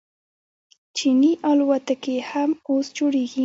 چیني الوتکې هم اوس جوړیږي.